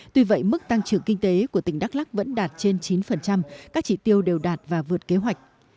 tuy vậy mức tăng trưởng kinh tế của tỉnh đắk lắc vẫn đạt trên chín các chỉ tiêu đều đạt và vượt kế hoạch